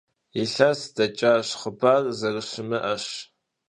Илъэс дэкӀащ, хъыбар зэрыщымыӀэщ.